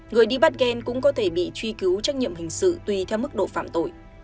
người đi bắt gan cũng có thể bị truy cứu trách nhiệm hình sự tùy theo mức độ phạm tội